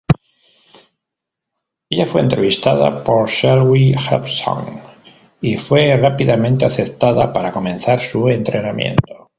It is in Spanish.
Ella fue entrevistada por Selwyn Jepson y fue rápidamente aceptada para comenzar su entrenamiento.